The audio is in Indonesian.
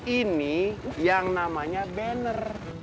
ini yang namanya bener